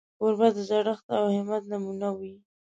کوربه د زړښت او همت نمونه وي.